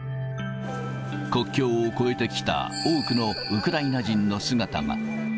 国境を越えてきた多くのウクライナ人の姿が。